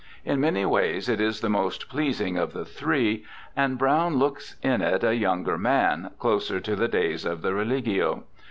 In many ways it is the most pleasing of the three, and Browne looks in it a younger man, closer to the days of the Religio.